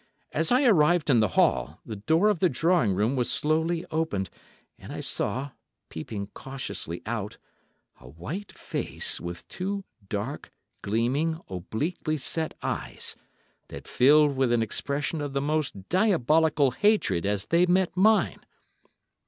As I arrived in the hall, the door of the drawing room was slowly opened, and I saw, peeping cautiously out, a white face with two dark, gleaming, obliquely set eyes, that filled with an expression of the most diabolical hatred as they met mine.